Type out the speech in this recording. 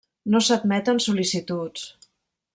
No s'admeten sol·licituds.